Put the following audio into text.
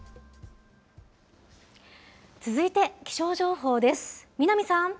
続いて気象情報です。